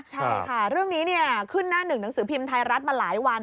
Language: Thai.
ใช่ค่ะเรื่องนี้ขึ้นหน้าหนึ่งหนังสือพิมพ์ไทยรัฐมาหลายวัน